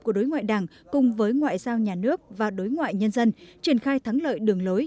của đối ngoại đảng cùng với ngoại giao nhà nước và đối ngoại nhân dân triển khai thắng lợi đường lối